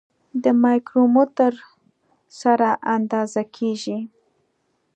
د مایکرومتر سره اندازه کیږي.